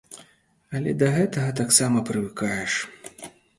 Але да гэтага таксама прывыкаеш.